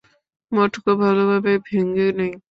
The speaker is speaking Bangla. মটকা ভালোভাবে ভেঙ্গে নেই।